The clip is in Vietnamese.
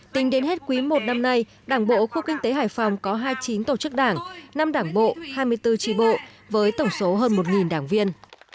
tính đến hết quý i năm nay đảng bộ khu kinh tế hải phòng có hai mươi chín tổ chức đảng năm đảng bộ hai mươi bốn tri bộ với tổng số hơn một đảng viên